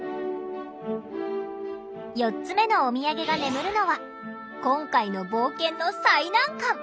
４つ目のおみやげが眠るのは今回の冒険の最難関